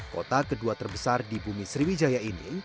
kota kedua terbesar di bumi sriwijaya ini